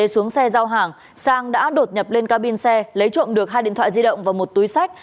sang đã đột nhập lên cabin xe lấy trộm được hai điện thoại di động và một túi sách